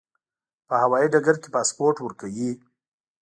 په هوایي ډګر کې پاسپورت ورکوي.